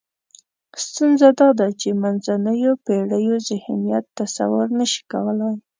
ستونزه دا ده چې منځنیو پېړیو ذهنیت تصور نشي کولای.